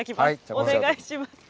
お願いします。